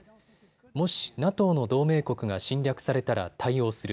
もしＮＡＴＯの同盟国が侵略されたら対応する。